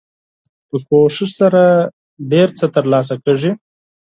په کوښښ سره ډیر څه تر لاسه کیږي.